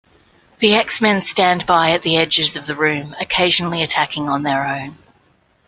The X-Men stand-by at the edges of the room, occasionally attacking on their own.